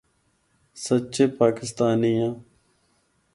سچے پاکستانی آں۔